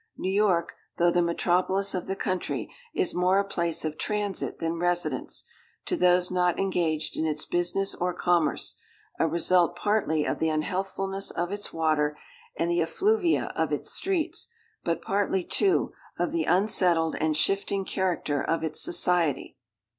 New York, though the metropolis of the country, is more a place of transit than residence, to those not engaged in its business or commerce—a result partly of the unhealthfulness of its water and the effluvia of its streets, but partly, too, of the unsettled and shifting character of its society.